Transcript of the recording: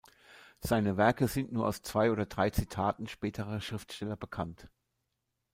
Seine Werke sind nur aus zwei oder drei Zitaten späterer Schriftsteller bekannt.